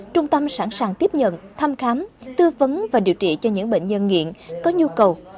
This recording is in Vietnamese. trung tâm sẵn sàng tiếp nhận thăm khám tư vấn và điều trị cho những bệnh nhân nghiện có nhu cầu